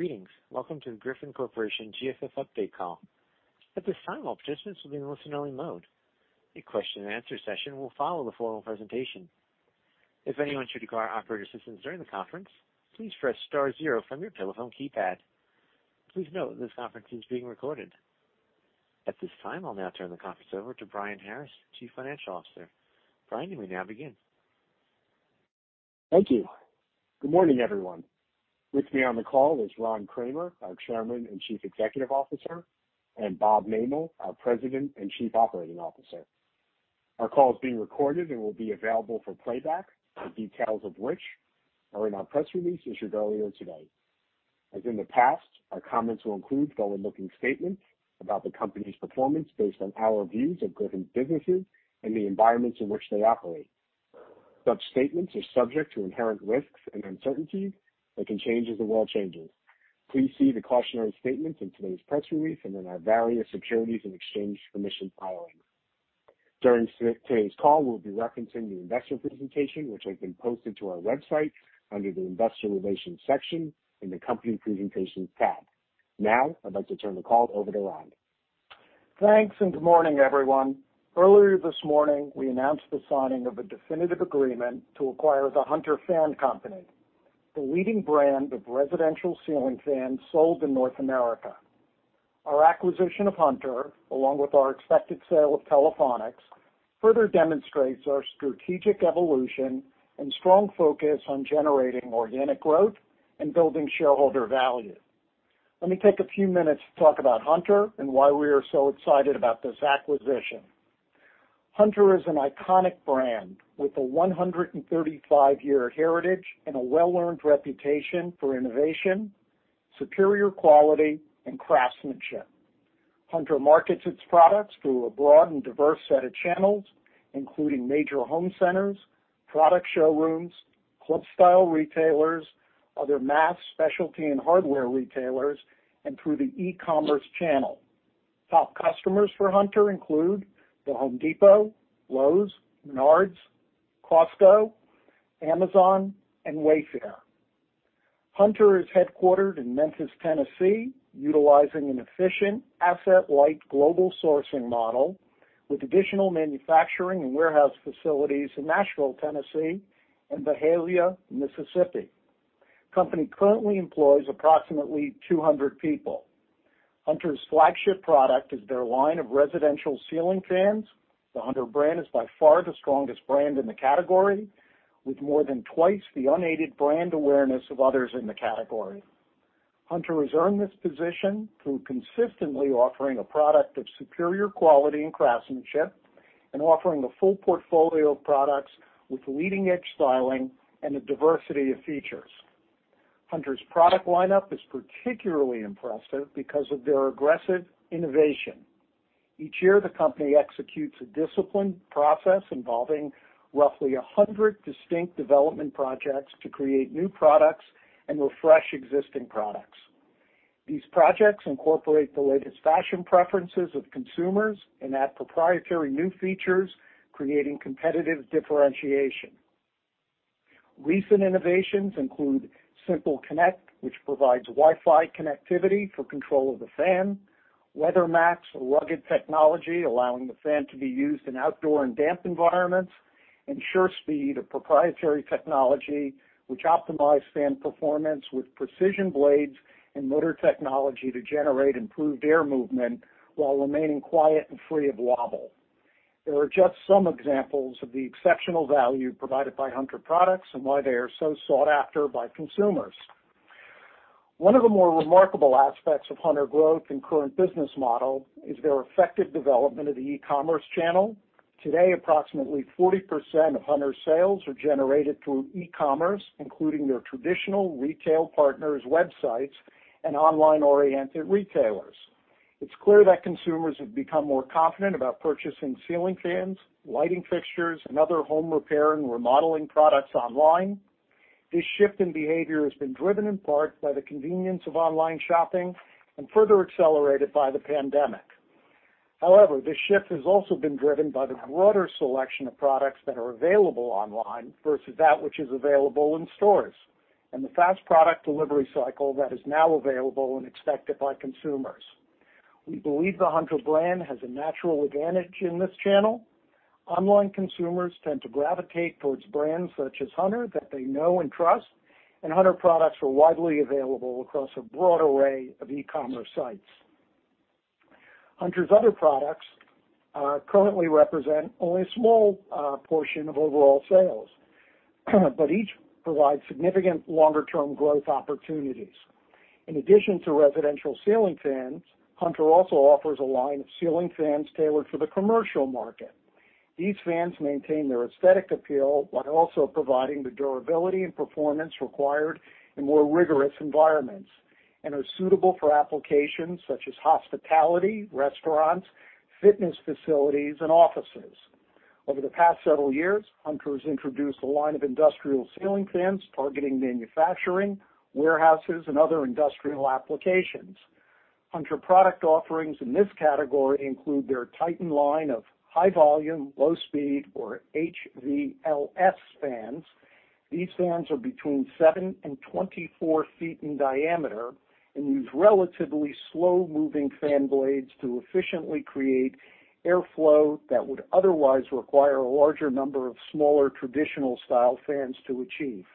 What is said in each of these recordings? Greetings. Welcome to the Griffon Corporation GFF update call. At this time, all participants will be in listen-only mode. A question and answer session will follow the formal presentation. If anyone should require operator assistance during the conference, please press star zero from your telephone keypad. Please note this conference is being recorded. At this time, I'll now turn the conference over to Brian Harris, Chief Financial Officer. Brian, you may now begin. Thank you. Good morning, everyone. With me on the call is Ron Kramer, our Chairman and Chief Executive Officer, and Bob Mehmel, our President and Chief Operating Officer. Our call is being recorded and will be available for playback, the details of which are in our press release issued earlier today. As in the past, our comments will include forward-looking statements about the company's performance based on our views of Griffon's businesses and the environments in which they operate. Such statements are subject to inherent risks and uncertainties that can change as the world changes. Please see the cautionary statements in today's press release and in our various Securities and Exchange Commission filings. During today's call, we'll be referencing the investor presentation, which has been posted to our website under the Investor Relations section in the Company Presentations tab. Now I'd like to turn the call over to Ron. Thanks, and good morning, everyone. Earlier this morning, we announced the signing of a definitive agreement to acquire the Hunter Fan Company, the leading brand of residential ceiling fans sold in North America. Our acquisition of Hunter, along with our expected sale of Telephonics, further demonstrates our strategic evolution and strong focus on generating organic growth and building shareholder value. Let me take a few minutes to talk about Hunter and why we are so excited about this acquisition. Hunter is an iconic brand with a 135-year heritage and a well-earned reputation for innovation, superior quality, and craftsmanship. Hunter markets its products through a broad and diverse set of channels, including major home centers, product showrooms, club-style retailers, other mass specialty and hardware retailers, and through the e-commerce channel. Top customers for Hunter include The Home Depot, Lowe's, Menards, Costco, Amazon, and Wayfair. Hunter is headquartered in Memphis, Tennessee, utilizing an efficient asset-light global sourcing model with additional manufacturing and warehouse facilities in Nashville, Tennessee, and Byhalia, Mississippi. The company currently employs approximately 200 people. Hunter's flagship product is their line of residential ceiling fans. The Hunter brand is by far the strongest brand in the category, with more than twice the unaided brand awareness of others in the category. Hunter has earned this position through consistently offering a product of superior quality and craftsmanship and offering a full portfolio of products with leading-edge styling and a diversity of features. Hunter's product lineup is particularly impressive because of their aggressive innovation. Each year, the company executes a disciplined process involving roughly 100 distinct development projects to create new products and refresh existing products. These projects incorporate the latest fashion preferences of consumers and add proprietary new features, creating competitive differentiation. Recent innovations include SIMPLEconnect, which provides Wi-Fi connectivity for control of the fan, WeatherMax rugged technology, allowing the fan to be used in outdoor and damp environments, and SureSpeed, a proprietary technology which optimizes fan performance with precision blades and motor technology to generate improved air movement while remaining quiet and free of wobble. They are just some examples of the exceptional value provided by Hunter products and why they are so sought after by consumers. One of the more remarkable aspects of Hunter growth and current business model is their effective development of the e-commerce channel. Today, approximately 40% of Hunter sales are generated through e-commerce, including their traditional retail partners' websites and online-oriented retailers. It's clear that consumers have become more confident about purchasing ceiling fans, lighting fixtures, and other home repair and remodeling products online. This shift in behavior has been driven in part by the convenience of online shopping and further accelerated by the pandemic. However, this shift has also been driven by the broader selection of products that are available online versus that which is available in stores and the fast product delivery cycle that is now available and expected by consumers. We believe the Hunter brand has a natural advantage in this channel. Online consumers tend to gravitate towards brands such as Hunter that they know and trust, and Hunter products are widely available across a broad array of e-commerce sites. Hunter's other products currently represent only a small portion of overall sales, but each provides significant longer-term growth opportunities. In addition to residential ceiling fans, Hunter also offers a line of ceiling fans tailored for the commercial market. These fans maintain their aesthetic appeal while also providing the durability and performance required in more rigorous environments and are suitable for applications such as hospitality, restaurants, fitness facilities, and offices. Over the past several years, Hunter has introduced a line of industrial ceiling fans targeting manufacturing, warehouses, and other industrial applications. Hunter product offerings in this category include their Titan line of high volume, low speed, or HVLS fans. These fans are between 7 ft and 24 ft in diameter and use relatively slow-moving fan blades to efficiently create airflow that would otherwise require a larger number of smaller traditional style fans to achieve.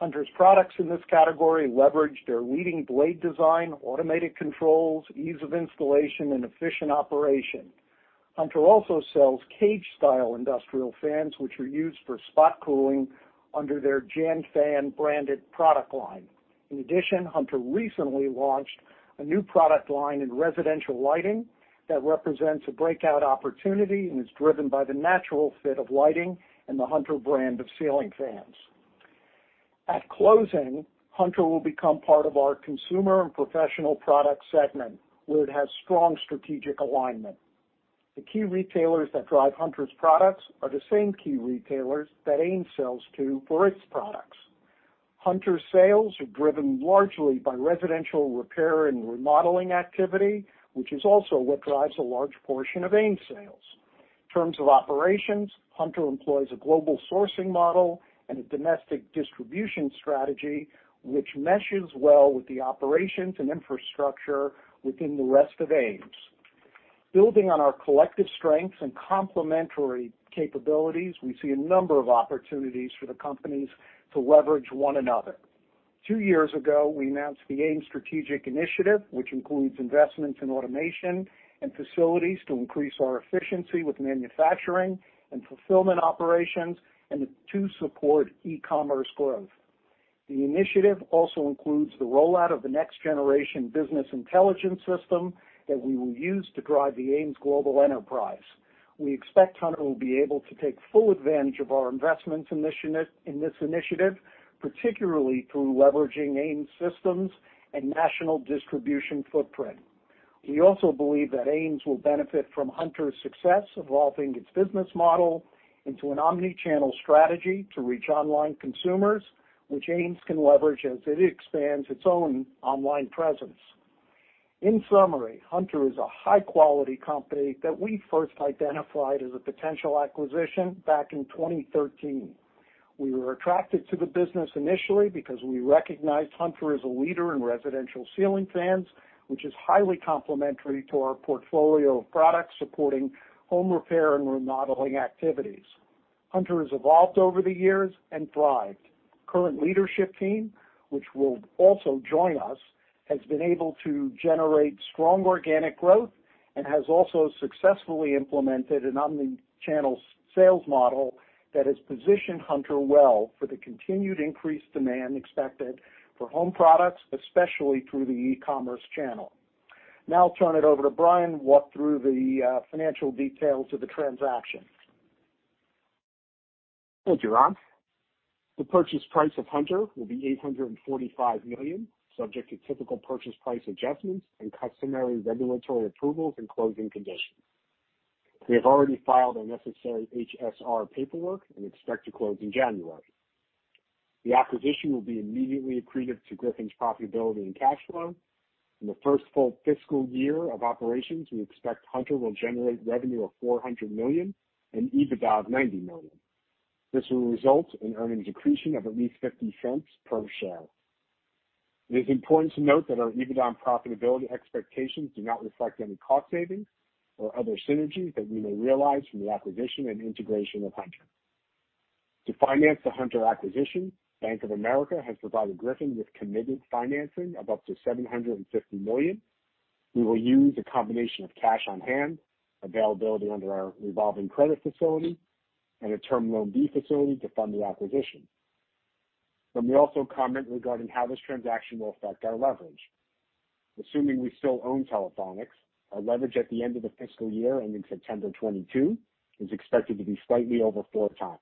Hunter's products in this category leverage their leading blade design, automated controls, ease of installation, and efficient operation. Hunter also sells cage style industrial fans, which are used for spot cooling under their Jan Fan branded product line. In addition, Hunter recently launched a new product line in residential lighting that represents a breakout opportunity, and is driven by the natural fit of lighting and the Hunter brand of ceiling fans. At closing, Hunter will become part of our Consumer and Professional Products segment, where it has strong strategic alignment. The key retailers that drive Hunter's products are the same key retailers that AMES sells to for its products. Hunter sales are driven largely by residential repair and remodeling activity, which is also what drives a large portion of AMES sales. In terms of operations, Hunter employs a global sourcing model and a domestic distribution strategy which meshes well with the operations and infrastructure within the rest of AMES's. Building on our collective strengths and complementary capabilities, we see a number of opportunities for the companies to leverage one another. Two years ago, we announced the AMES strategic initiative, which includes investments in automation and facilities to increase our efficiency with manufacturing and fulfillment operations, and to support e-commerce growth. The initiative also includes the rollout of the next generation business intelligence system that we will use to drive the AMES's global enterprise. We expect Hunter will be able to take full advantage of our investments in this initiative, particularly through leveraging AMES systems and national distribution footprint. We also believe that AMES's will benefit from Hunter's success, evolving its business model into an omni-channel strategy to reach online consumers, which AMES's can leverage as it expands its own online presence. In summary, Hunter is a high-quality company that we first identified as a potential acquisition back in 2013. We were attracted to the business initially because we recognized Hunter as a leader in residential ceiling fans, which is highly complementary to our portfolio of products supporting home repair and remodeling activities. Hunter has evolved over the years and thrived. Current leadership team, which will also join us, has been able to generate strong organic growth and has also successfully implemented an omni-channel sales model that has positioned Hunter well for the continued increased demand expected for home products, especially through the e-commerce channel. Now I'll turn it over to Brian to walk through the financial details of the transaction. Thank you, Ron. The purchase price of Hunter will be $845 million, subject to typical purchase price adjustments and customary regulatory approvals and closing conditions. We have already filed our necessary HSR paperwork and expect to close in January. The acquisition will be immediately accretive to Griffon's profitability and cash flow. In the first full fiscal year of operations, we expect Hunter will generate revenue of $400 million and EBITDA of $90 million. This will result in earnings accretion of at least $0.50 per share. It is important to note that our EBITDA and profitability expectations do not reflect any cost savings or other synergies that we may realize from the acquisition and integration of Hunter. To finance the Hunter acquisition, Bank of America has provided Griffon with committed financing of up to $750 million. We will use a combination of cash on hand, availability under our revolving credit facility, and a Term Loan B facility to fund the acquisition. Let me also comment regarding how this transaction will affect our leverage. Assuming we still own Telephonics, our leverage at the end of the fiscal year ending September 2022 is expected to be slightly over 4x.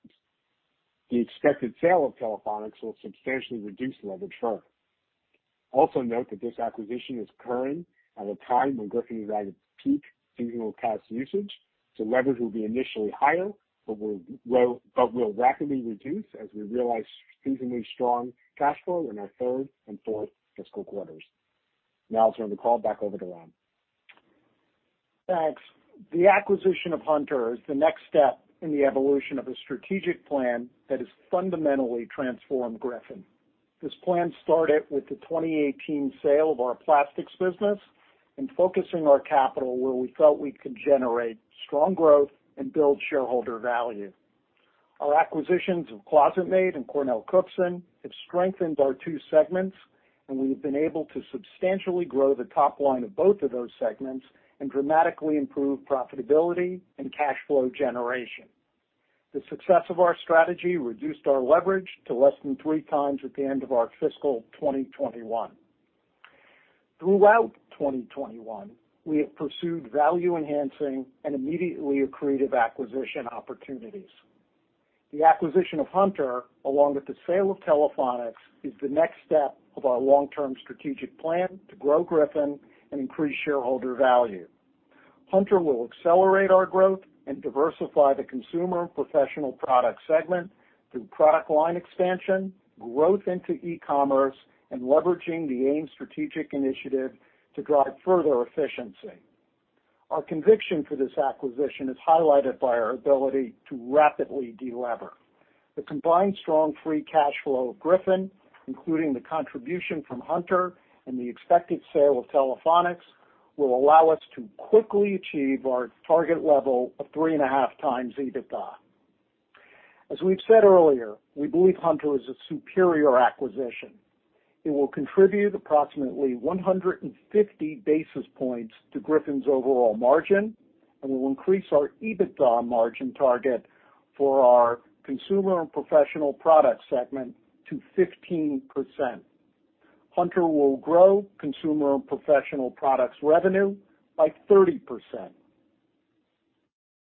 The expected sale of Telephonics will substantially reduce leverage further. Also note that this acquisition is occurring at a time when Griffon is at its peak seasonal cash usage, so leverage will be initially higher, but will rapidly reduce as we realize seasonally strong cash flow in our third and fourth fiscal quarters. Now I'll turn the call back over to Ron. Thanks. The acquisition of Hunter is the next step in the evolution of a strategic plan that has fundamentally transformed Griffon. This plan started with the 2018 sale of our plastics business and focusing our capital where we felt we could generate strong growth and build shareholder value. Our acquisitions of ClosetMaid and CornellCookson have strengthened our two segments, and we have been able to substantially grow the top line of both of those segments and dramatically improve profitability and cash flow generation. The success of our strategy reduced our leverage to less than 3x at the end of our fiscal 2021. Throughout 2021, we have pursued value enhancing and immediately accretive acquisition opportunities. The acquisition of Hunter along with the sale of Telephonics is the next step of our long-term strategic plan to grow Griffon and increase shareholder value. Hunter will accelerate our growth and diversify the consumer and professional product segment through product line expansion, growth into e-commerce, and leveraging the AMES strategic initiative to drive further efficiency. Our conviction for this acquisition is highlighted by our ability to rapidly delever. The combined strong free cash flow of Griffon, including the contribution from Hunter and the expected sale of Telephonics, will allow us to quickly achieve our target level of 3.5x EBITDA. As we've said earlier, we believe Hunter is a superior acquisition. It will contribute approximately 150 basis points to Griffon's overall margin and will increase our EBITDA margin target for our consumer and professional product segment to 15%. Hunter will grow consumer and professional products revenue by 30%.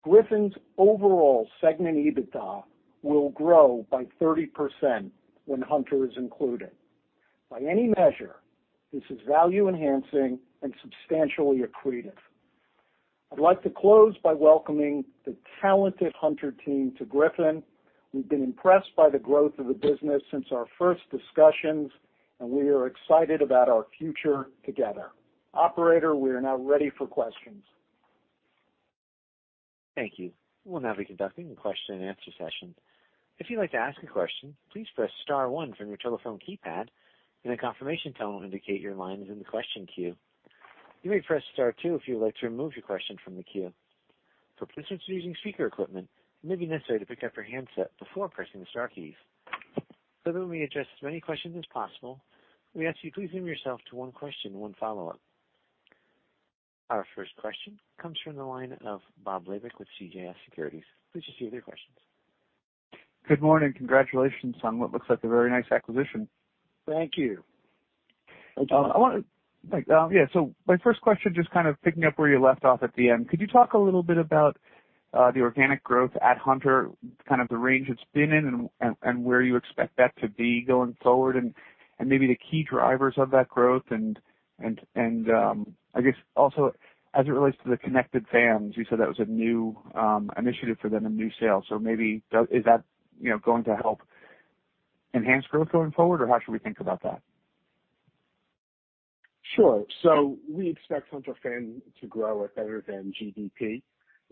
Griffon's overall segment EBITDA will grow by 30% when Hunter is included. By any measure, this is value enhancing and substantially accretive. I'd like to close by welcoming the talented Hunter team to Griffon. We've been impressed by the growth of the business since our first discussions, and we are excited about our future together. Operator, we are now ready for questions. Thank you. We'll now be conducting a question and answer session. If you'd like to ask a question, please press star one from your telephone keypad, and a confirmation tone will indicate your line is in the question queue. You may press star two if you would like to remove your question from the queue. For participants using speaker equipment, it may be necessary to pick up your handset before pressing the star key. So that we may address as many questions as possible, we ask you please limit yourself to one question and one follow-up. Our first question comes from the line of Bob Labick with CJS Securities. Please proceed with your questions. Good morning. Congratulations on what looks like a very nice acquisition. Thank you. Yeah, so my first question, just kind of picking up where you left off at the end, could you talk a little bit about the organic growth at Hunter, kind of the range it's been in and where you expect that to be going forward and maybe the key drivers of that growth. I guess also as it relates to the connected fans, you said that was a new initiative for them, a new sale. Maybe is that, you know, going to help enhance growth going forward? Or how should we think about that? Sure. We expect Hunter Fan to grow at better than GDP.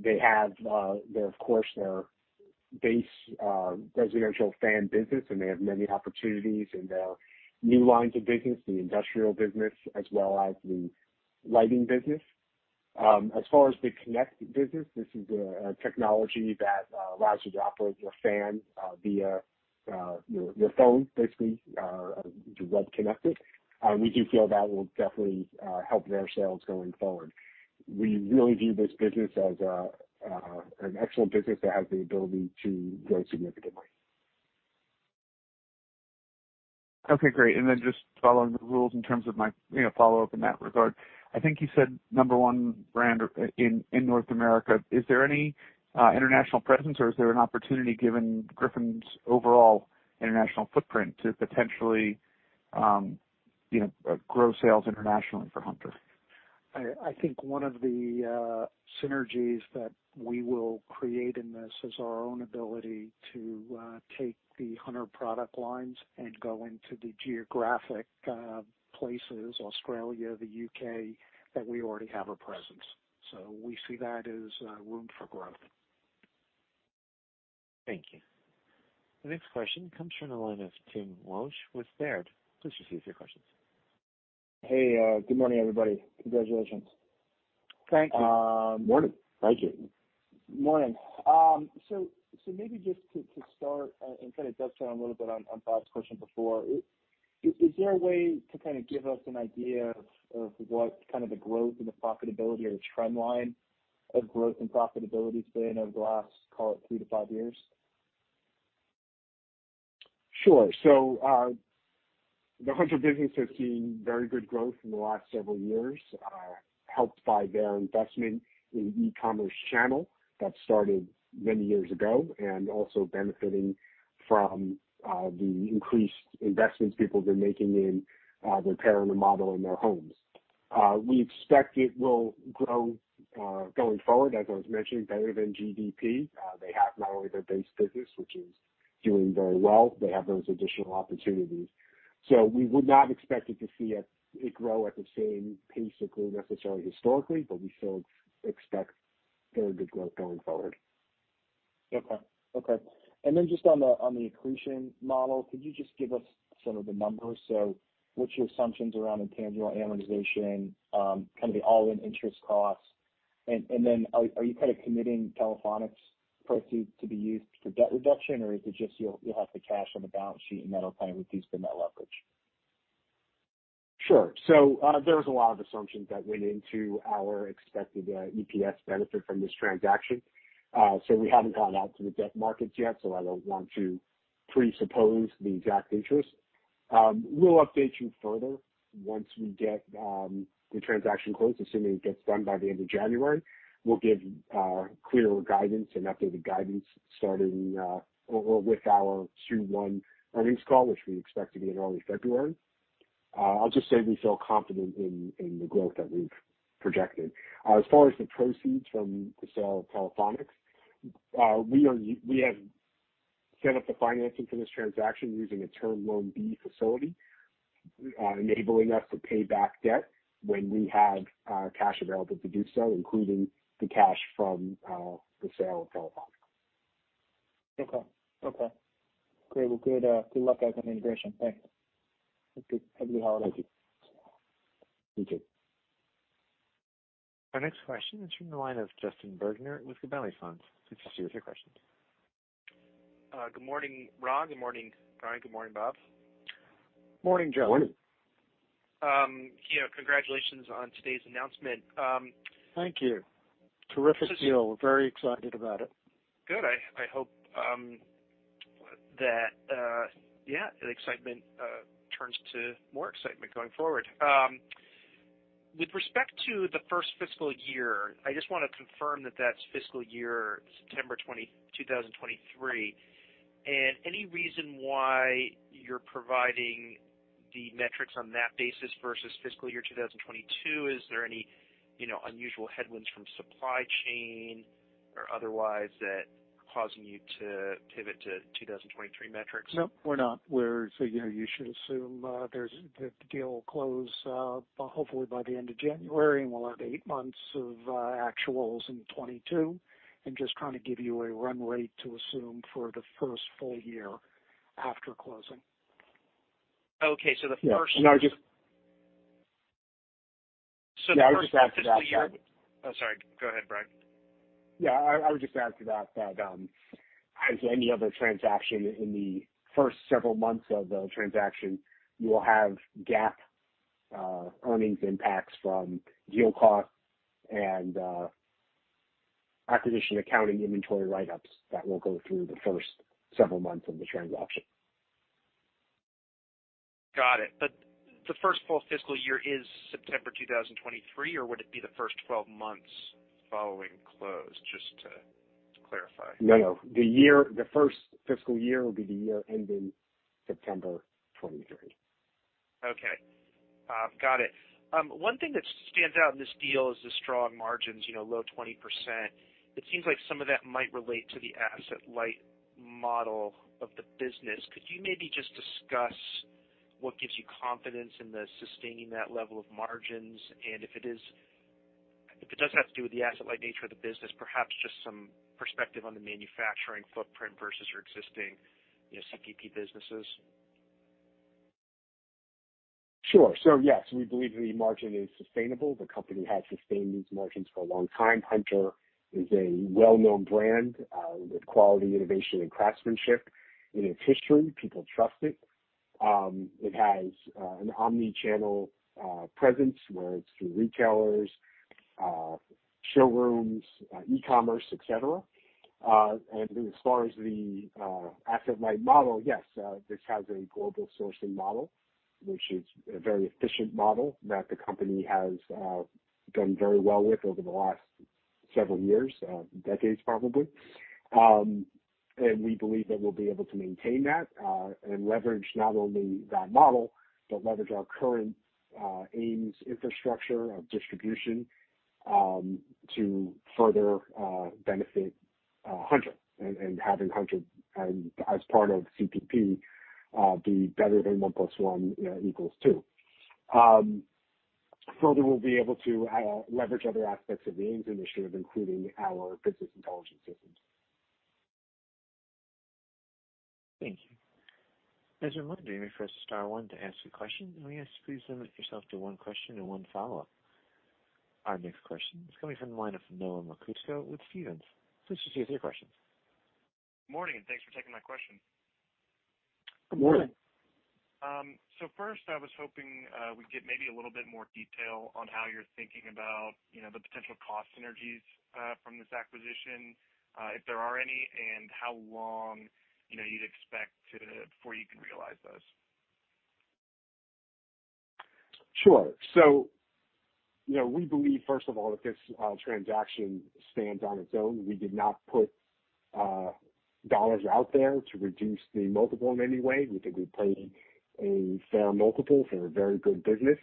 They have, of course, their base residential fan business, and they have many opportunities in their new lines of business, the industrial business as well as the lighting business. As far as the connect business, this is a technology that allows you to operate your fan via your phone basically, web connected. We do feel that will definitely help their sales going forward. We really view this business as an excellent business that has the ability to grow significantly. Okay, great. Just following the rules in terms of my, you know, follow-up in that regard, I think you said number one brand in North America. Is there any international presence or is there an opportunity given Griffon's overall international footprint to potentially, you know, grow sales internationally for Hunter? I think one of the synergies that we will create in this is our own ability to take the Hunter product lines and go into the geographic places, Australia, the U.K., that we already have a presence. We see that as room for growth. Thank you. The next question comes from the line of Tim Wojs with Baird. Please proceed with your questions. Hey, good morning, everybody. Congratulations. Thank you. Morning. Thank you. Morning. Maybe just to start and kind of dovetail a little bit on Bob's question before, is there a way to kind of give us an idea of what kind of the growth and the profitability or the trend line of growth and profitability has been over the last, call it three to five years? Sure. The Hunter business has seen very good growth in the last several years, helped by their investment in e-commerce channel that started many years ago and also benefiting from the increased investments people have been making in remodeling their homes. We expect it will grow going forward, as I was mentioning, better than GDP. They have not only their base business, which is doing very well, they have those additional opportunities. We would not expect it to see it grow at the same pace it grew necessarily historically, but we still expect very good growth going forward. Okay. Just on the accretion model, could you just give us some of the numbers? What's your assumptions around intangible amortization, kind of the all-in interest costs? Are you kind of committing Telephonics proceeds to be used for debt reduction or is it just you'll have the cash on the balance sheet and that'll kind of reduce the net leverage? Sure. There was a lot of assumptions that went into our expected EPS benefit from this transaction. We haven't gone out to the debt markets yet, so I don't want to presuppose the exact interest. We'll update you further once we get the transaction closed, assuming it gets done by the end of January. We'll give clearer guidance and updated guidance starting or with our Q1 earnings call, which we expect to be in early February. I'll just say we feel confident in the growth that we've projected. As far as the proceeds from the sale of Telephonics, we have set up the financing for this transaction using a Term Loan B facility, enabling us to pay back debt when we have cash available to do so, including the cash from the sale of Telephonics. Okay. Great. Well, good luck guys on the integration. Thanks. Happy holidays. Thank you. Our next question is from the line of Justin Bergner with Gabelli Funds. Please proceed with your questions. Good morning, Ron. Good morning, Brian. Good morning, Bob. Morning, Justin. Morning. You know, congratulations on today's announcement. Thank you. Terrific deal. We're very excited about it. Good. I hope that yeah the excitement turns to more excitement going forward. With respect to the first fiscal year, I just wanna confirm that that's fiscal year September 2023. Any reason why you're providing the metrics on that basis versus fiscal year 2022? Is there any you know unusual headwinds from supply chain or otherwise that are causing you to pivot to 2023 metrics? No, we're not. So, you know, you should assume that the deal will close hopefully by the end of January, and we'll have eight months of actuals in 2022. Just trying to give you a run rate to assume for the first full year after closing. Okay. Yeah. No, So the first- Yeah, I'll just add to that, Justin. Oh, sorry. Go ahead, Brian. I would just add to that, as in any other transaction in the first several months of the transaction, you will have GAAP earnings impacts from deal costs and acquisition accounting inventory write-ups that will go through the first several months of the transaction. Got it. The first full fiscal year is September 2023, or would it be the first 12 months following close, just to clarify? No, no. The first fiscal year will be the year ending September 2023. Okay. Got it. One thing that stands out in this deal is the strong margins, you know, low 20%. It seems like some of that might relate to the asset light model of the business. Could you maybe just discuss what gives you confidence in the sustaining that level of margins? If it is, if it does have to do with the asset light nature of the business, perhaps just some perspective on the manufacturing footprint versus your existing, you know, CPP businesses. Sure. Yes, we believe the margin is sustainable. The company has sustained these margins for a long time. Hunter is a well-known brand with quality, innovation, and craftsmanship in its history. People trust it. It has an omni-channel presence, whether it's through retailers, showrooms, e-commerce, et cetera. As far as the asset light model, yes, this has a global sourcing model, which is a very efficient model that the company has done very well with over the last several years, decades, probably. We believe that we'll be able to maintain that and leverage not only that model, but leverage our current AMES infrastructure of distribution to further benefit Hunter and having Hunter as part of CPP be better than one plus one equals two. Further, we'll be able to leverage other aspects of the AMES initiative, including our business intelligence systems. Thank you. As a reminder, you may press star one to ask a question, and we ask you please limit yourself to one question and one follow-up. Our next question is coming from the line of Noah Merkousko with Stephens. Please proceed with your questions. Morning, thanks for taking my question. Good morning. Good morning. First, I was hoping we'd get maybe a little bit more detail on how you're thinking about, you know, the potential cost synergies from this acquisition, if there are any, and how long, you know, you'd expect to before you can realize those. Sure. You know, we believe first of all that this transaction stands on its own. We did not put dollars out there to reduce the multiple in any way. We think we paid a fair multiple for a very good business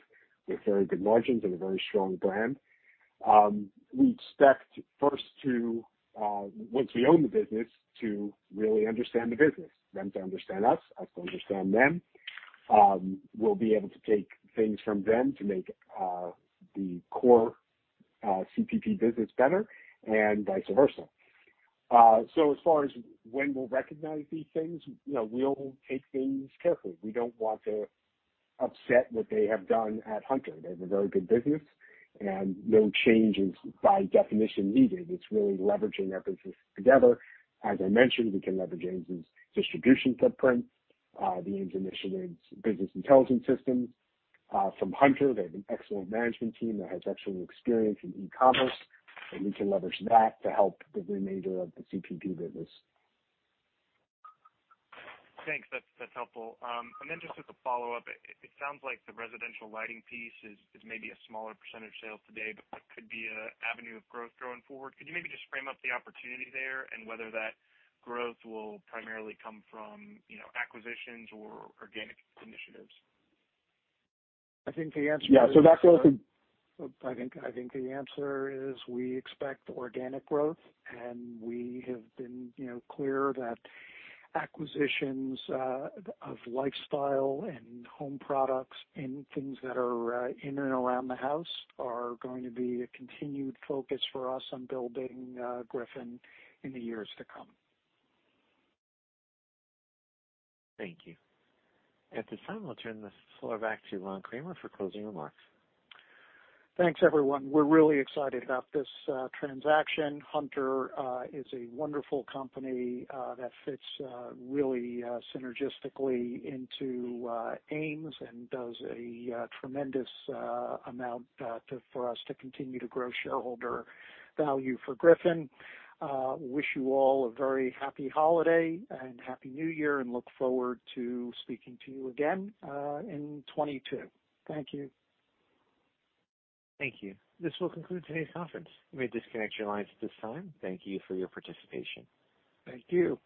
with very good margins and a very strong brand. We expect first to once we own the business to really understand the business, them to understand us to understand them. We'll be able to take things from them to make the core CPP business better and vice versa. As far as when we'll recognize these things, you know, we'll take things carefully. We don't want to upset what they have done at Hunter. They have a very good business and no change is by definition needed. It's really leveraging our business together. As I mentioned, we can leverage AMES' distribution footprint, the AMES initiative's business intelligence systems. From Hunter they have an excellent management team that has excellent experience in e-commerce, and we can leverage that to help the remainder of the CPP business. Thanks. That's helpful. Just as a follow-up, it sounds like the residential lighting piece is maybe a smaller percentage of sales today, but could be a avenue of growth going forward. Could you maybe just frame up the opportunity there and whether that growth will primarily come from, you know, acquisitions or organic initiatives? I think the answer- Yeah. That growth. I think the answer is we expect organic growth, and we have been, you know, clear that acquisitions of lifestyle and home products and things that are in and around the house are going to be a continued focus for us on building Griffon in the years to come. Thank you. At this time, I'll turn the floor back to Ron Kramer for closing remarks. Thanks, everyone. We're really excited about this transaction. Hunter is a wonderful company that fits really synergistically into AMES and does a tremendous amount for us to continue to grow shareholder value for Griffon. I wish you all a very happy holiday and happy New Year, and I look forward to speaking to you again in 2022. Thank you. Thank you. This will conclude today's conference. You may disconnect your lines at this time. Thank you for your participation. Thank you.